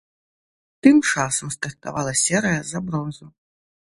Тым часам стартавала серыя за бронзу.